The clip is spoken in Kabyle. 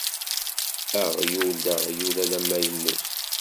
Aɣyul d aɣyul alamma yemmut.